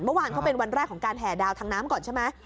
เมื่อวานเขาเป็นวันแรกของการแห่ดาวทางน้ำก่อนใช่ไหม